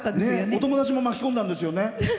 お友達も巻き込んだんですよね。